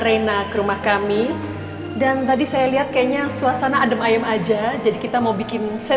arena ke rumah kami dan tadi saya lihat kayaknya suasana adem ayem aja jadi kita mau bikin saya